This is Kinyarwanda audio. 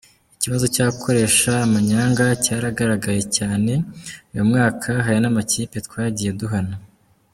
Ikibazo cy’abakoresha amanyanga cyaragaragaye cyane uyu mwaka hari n’amakipe twagiye duhana.